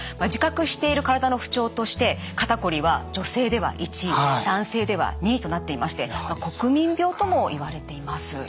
自覚している体の不調として肩こりは女性では１位男性では２位となっていまして国民病ともいわれています。